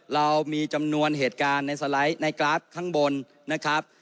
เรามีจำนวนเหตุการณ์ในสไลด์ในกราฟข้างบนนะครับ